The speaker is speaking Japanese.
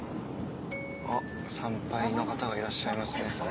あっ参拝の方がいらっしゃいますね。